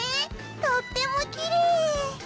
とってもきれい！